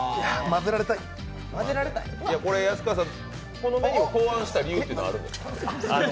このメニューを考案した理由っていうのはあるんですか。